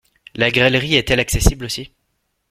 La galerie est-elle accessible aussi?